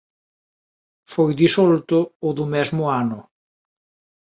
Foi disolto o do mesmo ano.